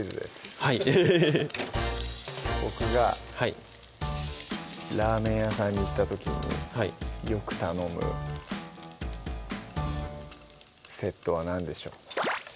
僕がラーメン屋さんに行った時によく頼むセットは何でしょう